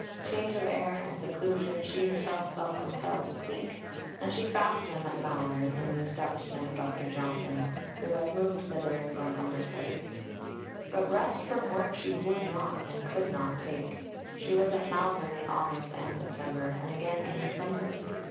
Change of air and seclusion she herself felt compelled to seek; and she found them at Malvern, in the establishment of Dr. Johnson, who had moved thither from Umberslade; but rest from work she would not, and could not, take. She was at Malvern in August and September, and again in December.